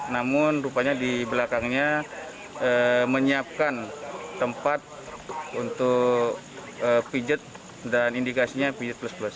namun rupanya di belakangnya menyiapkan tempat untuk pijat dan indikasinya pijat plus plus